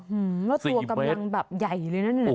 หือแล้วตัวกำลังแบบใหญ่เลยนะนั่นเนี่ย๔เมตร